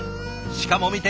しかも見て！